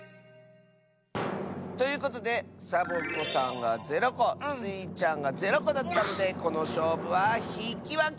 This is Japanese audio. ということでサボ子さんが０こスイちゃんが０こだったのでこのしょうぶはひきわけ！